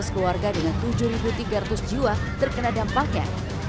dua ratus keluarga dengan tujuh tiga ratus jiwa terkena dampaknya